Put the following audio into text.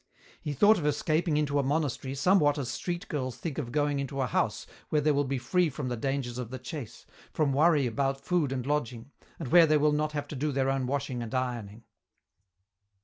He thought of escaping into a monastery somewhat as street girls think of going into a house where they will be free from the dangers of the chase, from worry about food and lodging, and where they will not have to do their own washing and ironing.